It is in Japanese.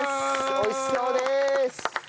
美味しそうです！